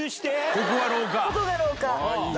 ここが廊下。